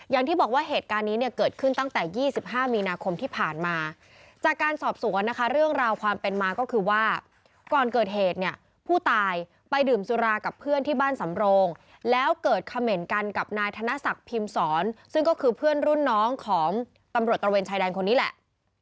อย่างที่บอกว่าเหตุการณ์นี้เนี่ยเกิดขึ้นตั้งแต่๒๕มีนาคมที่ผ่านมาจากการสอบสวนนะคะเรื่องราวความเป็นมาก็คือว่าก่อนเกิดเหตุเนี่ยผู้ตายไปดื่มสุรากับเพื่อนที่บ้านสำโรงแล้วเกิดเขม่นกันกับนายธนศักดิ์พิมศรซึ่งก็คือเพื่อนรุ่นน้องของตำรวจตระเวนชายแดนคนนี้แหละ